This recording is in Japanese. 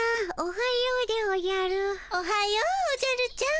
おはようおじゃるちゃん。